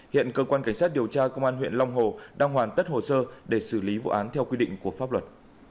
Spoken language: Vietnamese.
hiện cơ quan cảnh sát điều tra công an huyện long hồ đang hoàn tất hồ sơ để xử lý vụ án theo quy định của pháp luật